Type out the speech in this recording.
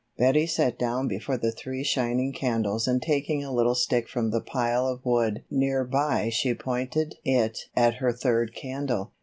Betty sat down before the three shining candles and taking a little stick from the pile of wood near by she pointed it at her third candle.